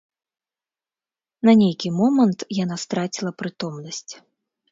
На нейкі момант яна страціла прытомнасць.